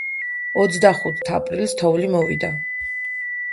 ოცდახუთ აპრილს თოვლი მოვიდა